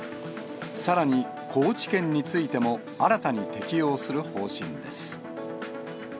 さらに、高知県についても新たに適用する方針です。